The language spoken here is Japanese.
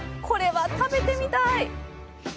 これは食べてみたい！